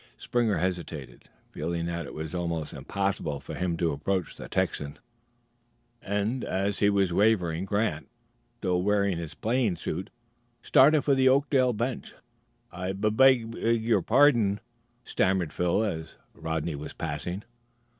Springer hesitated, feeling that it was almost impossible for him to approach the Texan, and, as he was wavering, Grant, still wearing his playing suit, started for the Oakdale bench. "I I bub beg your pardon," stammered Phil as Rodney was passing.